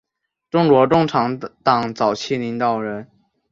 中国共产党早期领导人。